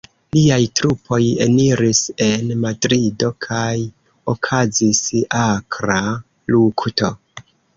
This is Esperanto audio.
Liaj trupoj eniris en Madrido kaj okazis akra lukto.